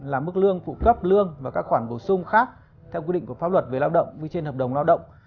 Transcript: là mức lương phụ cấp lương và các khoản bổ sung khác theo quy định của pháp luật về lao động vui trên hợp đồng lao động